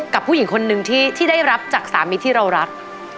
กับผู้หญิงคนนึงที่ได้รับจากสามีที่เรารัก